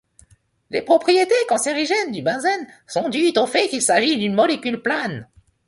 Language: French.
Les propriétés cancérigènes du benzène sont dues au fait qu'il s'agit d'une molécule plane.